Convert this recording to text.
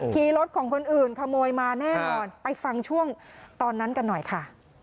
ขี่รถของคนอื่นขโมยมาแน่นอนไปฟังช่วงตอนนั้นกันหน่อยค่ะ